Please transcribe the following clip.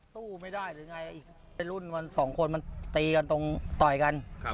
สู้ไม่ได้หรือไงอีกไอ้รุ่นมันสองคนมันตีกันตรงต่อยกัน